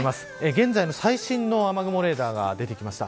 現在の最新の雨雲レーダーが出てきました。